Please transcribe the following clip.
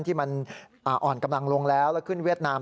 ที่มันอ่อนกำลังลงแล้วแล้วขึ้นเวียดนาม